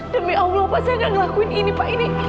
demi allah pak saya tidak melakukan ini pak